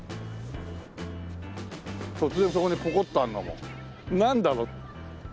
突然そこにポコッとあるのもなんだろう？